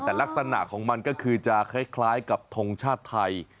แต่ลักษณะของมันก็คือจะคล้ายกับทงชาติไทย